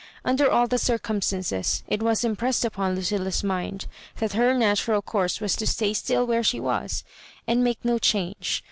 Under all the circumstances, it was im pressed upon Lucilla's mind that her natural course was to stay still where she was, and make no change.